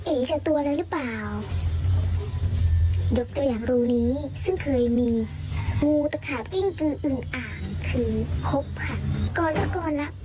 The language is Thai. ออกไม่ได้ค่ะอ้าวหลุดค่ะหลุดออกไม่ได้ทำไมอ๋อตายช่วยด้วยออกไม่ได้